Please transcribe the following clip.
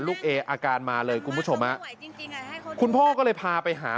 เออาการมาเลยคุณผู้ชมฮะคุณพ่อก็เลยพาไปหา